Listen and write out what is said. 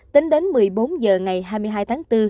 tính đến một mươi bốn h ngày hai mươi hai tháng bốn